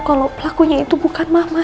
kalau pelakunya itu bukan mama